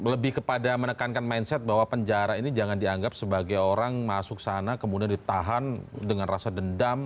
lebih kepada menekankan mindset bahwa penjara ini jangan dianggap sebagai orang masuk sana kemudian ditahan dengan rasa dendam